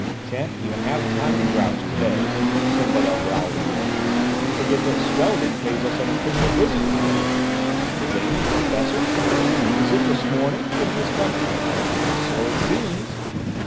"Shan't even have time to grouse to day," Sembadel growled again. "You forget that Swelding pays us an official visit to day." "The Danish professor? Is it this morning that he is coming?" "So it seems."